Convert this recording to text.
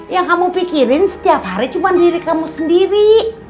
yang kamu pikirin setiap hari cuma diri kamu sendiri